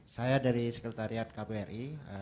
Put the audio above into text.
saya dari sekretariat kbri